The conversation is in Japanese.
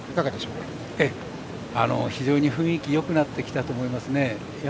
非常に雰囲気よくなってきたと思いますね。